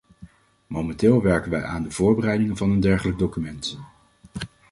Momenteel werken wij aan de voorbereiding van een dergelijk document.